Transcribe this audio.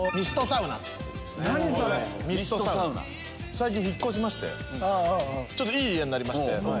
最近引っ越しましてちょっといい家になりまして。